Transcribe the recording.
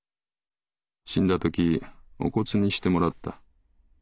死んだときお骨にしてもらった。